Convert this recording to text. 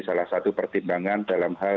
salah satu pertimbangan dalam hal